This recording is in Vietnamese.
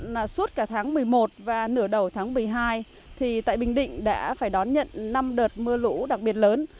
trong suốt tháng một mươi một và nửa đầu tháng một mươi hai tại bình định đã phải đón nhận năm đợt mưa lũ đặc biệt lớn